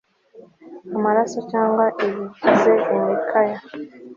amaraso cyangwa ibigize imikaya